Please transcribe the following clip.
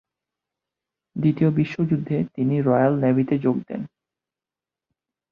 দ্বিতীয় বিশ্বযুদ্ধে তিনি রয়্যাল নেভিতে যোগ দেন।